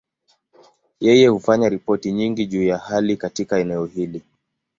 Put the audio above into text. Yeye hufanya ripoti nyingi juu ya hali katika eneo hili.